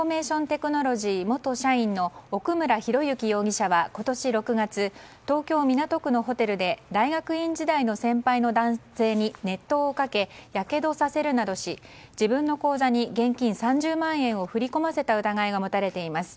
テクノロジー元社員の奥村啓志容疑者は、今年６月東京・港区のホテルで大学院時代の先輩の男性に熱湯をかけやけどさせるなどし自分の口座に現金３０万円を振り込ませた疑いが持たれています。